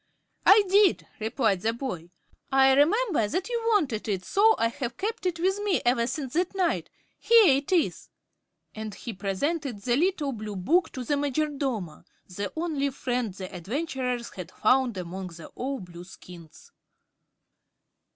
"I did," replied the boy. "I remember that you wanted it and so I have kept it with me ever since that night. Here it is," and he presented the little blue book to the Majordomo, the only friend the adventurers had found among all the Blueskins.